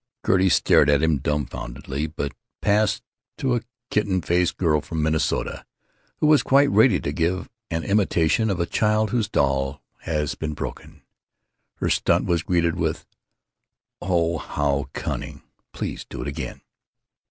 Gertie stared at him doubtfully, but passed to a kitten faced girl from Minnesota, who was quite ready to give an imitation of a child whose doll has been broken. Her "stunt" was greeted with, "Oh, how cun ning! Please do it again!"